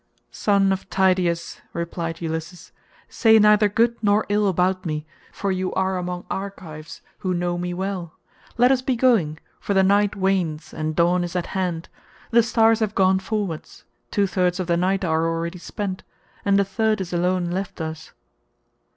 "Son of Tydeus," replied Ulysses, "say neither good nor ill about me, for you are among Argives who know me well. Let us be going, for the night wanes and dawn is at hand. The stars have gone forward, two thirds of the night are already spent, and the third is alone left us."